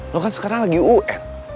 lo kan sekarang lagi un